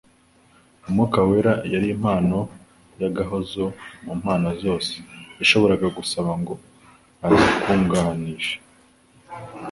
Umwuka wera yari impano y'agahozo mu mpano zose yashoboraga gusaba ngo azikungaharishe